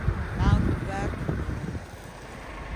L’an coverto d’öo.